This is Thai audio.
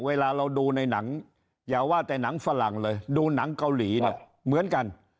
เวลาเราดูในหนังอย่าว่าแต่หนังฝรั่งเลยดูหนังเกาหลีเนี่ยเหมือนกัน